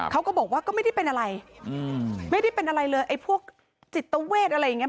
เขาก็บอกว่าก็ไม่ได้เป็นอะไรไม่ได้เป็นอะไรเลยไอ้พวกจิตเวทอะไรอย่างเงี้